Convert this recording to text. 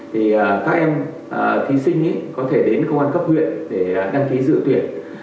các em thí sinh có thể đến công an cấp huyện để đăng ký sự tuyển